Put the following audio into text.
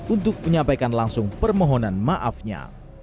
untuk menyampaikan langsung permohonan maafnya